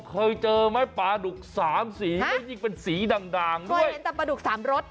เคยเจอไหมปลาดุกสามสีได้ยิ่งเป็นสีดังด้วยหรือเป็นปลาดุกสามรส